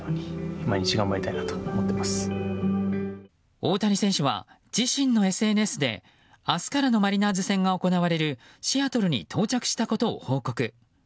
大谷選手は自身のＳＮＳで明日からのマリナーズ戦が行われるシアトルに到着したことを報告。